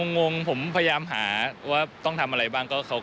งงผมพยายามหาว่าต้องทำอะไรบ้าง